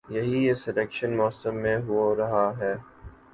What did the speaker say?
یہی اس الیکشن موسم میں ہو رہا ہے۔